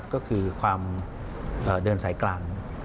ก็คือความเดินสายกลาง